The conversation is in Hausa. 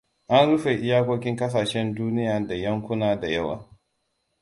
An rufe iyakokin kasashen duniya da yankuna da yawa.